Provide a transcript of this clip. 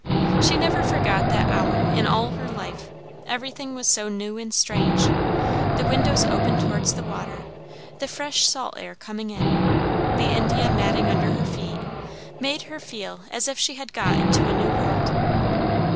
She never forgot that hour in all her life, everything was so new and strange. The windows open towards the water, the fresh salt air coming in, the India matting under her feet, made her feel as if she had got into a new world.